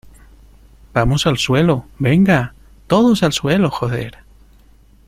vamos, al suelo. ¡ venga! ¡ todos al suelo , joder !